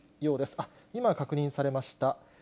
あっ、今確認されました。